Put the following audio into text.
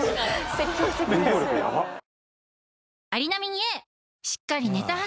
積極的ですよね。